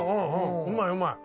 うまいうまい。